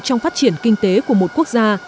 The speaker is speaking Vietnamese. trong phát triển kinh tế của một quốc gia